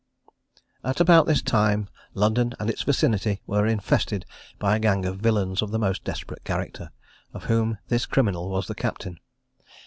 At about this time London and its vicinity were infested by a gang of villains of the most desperate character, of whom this criminal was the captain.